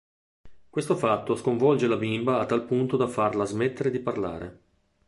Questo fatto sconvolge la bimba a tal punto da farla smettere di parlare.